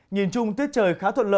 nhìn chung tiết trời khá thuận lợi